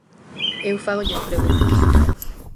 Eu fágolles preguntas.